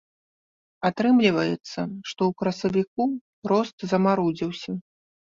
Атрымліваецца, што ў красавіку рост замарудзіўся.